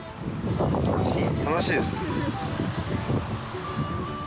楽しいですね。